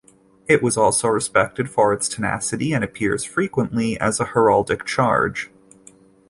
It was also respected for its tenacity and appears frequently as a heraldic charge.